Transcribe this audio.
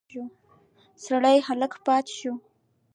سړی هک پاته شو.